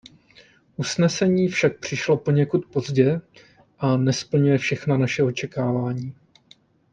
Usnesení však přišlo poněkud pozdě a nesplňuje všechna naše očekávání.